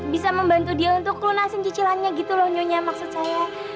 bisa membantu dia untuk lunasin cicilannya gitu loh nyonya maksud saya